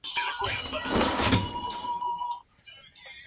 El eclipse comenzó sobre el Pacífico.